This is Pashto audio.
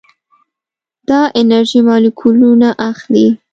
دا انرژي مالیکولونه اخلي.